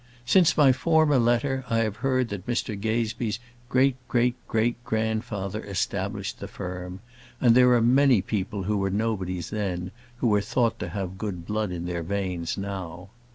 Since my former letter, I have heard that Mr Gazebee's great great great grandfather established the firm; and there are many people who were nobodies then who are thought to have good blood in their veins now.